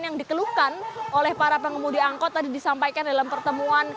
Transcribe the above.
yang dikeluhkan oleh para pengemudi angkut tadi disampaikan dalam pertemuan